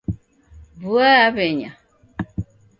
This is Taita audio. Vua yaw'enya